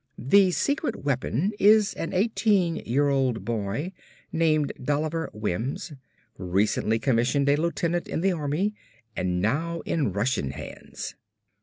"The secret weapon is an eighteen year old boy named Dolliver Wims, recently commissioned a lieutenant in the Army and now in Russian hands."